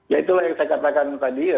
ya itulah yang saya katakan tadi